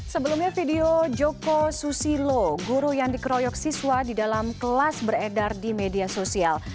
sebelumnya video joko susilo guru yang dikeroyok siswa di dalam kelas beredar di media sosial